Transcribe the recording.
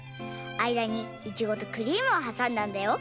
あいだにイチゴとクリームをはさんだんだよ。